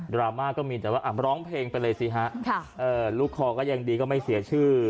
ราม่าก็มีแต่ว่าร้องเพลงไปเลยสิฮะลูกคอก็ยังดีก็ไม่เสียชื่อ